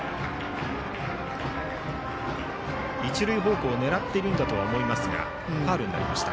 一塁方向を狙っているとは思いますがファウルになりました。